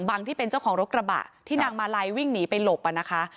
ที่เป็นเจ้าของรถกระบะที่นางมาลัยวิ่งหนีไปหลบนะคะ